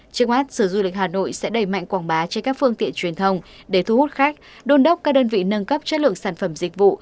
trước mắt sở du lịch hà nội sẽ đẩy mạnh quảng bá trên các phương tiện truyền thông để thu hút khách đôn đốc các đơn vị nâng cấp chất lượng sản phẩm dịch vụ